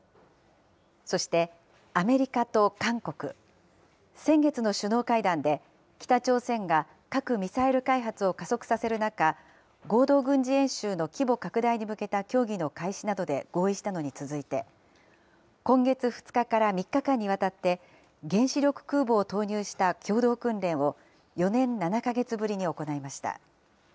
そして、アメリカと韓国、先月の首脳会談で、北朝鮮が核・ミサイル開発を加速させる中、合同軍事演習の規模拡大に向けた協議の開始などで合意したのに続いて、今月２日から３日間にわたって、原子力空母を投入した共同訓練を、４年７か月ぶりに行いました。